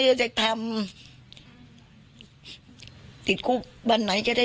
สงสันหนูเนี่ยว่าสงสันหนูเนี่ยมีกระทิแววออกได้จังไหน